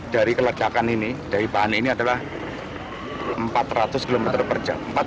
dari keledakan ini dari bahan ini adalah empat ratus km per jam